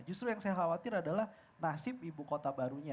justru yang saya khawatir adalah nasib ibu kota barunya